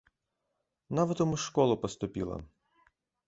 Нават у музшколу паступіла.